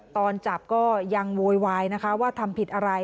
ตอนจับก็ยังโวยวายนะคะว่าทำผิดอะไร